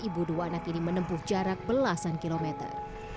ibu dua anak ini menempuh jarak belasan kilometer